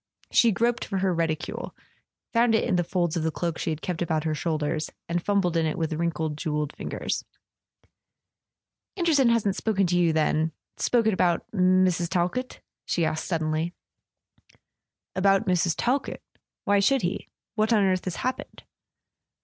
She groped for her reticule, found it in the folds of the cloak she had kept about her shoulders, and fum¬ bled in it with wrinkled jewelled fingers. "Anderson hasn't spoken to you, then—spoken about Mrs. Talkett?" she asked suddenly. "About Mrs. Talkett? Why should he? Wliat on earth has happened